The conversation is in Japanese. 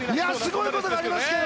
すごいことがありましたよ！